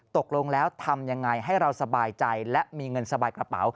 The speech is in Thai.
ตกลงแล้วทำยังไงให้เราสบายใจและมีเงินสบายกระเป๋า